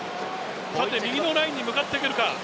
さて右のラインに向かってくるか。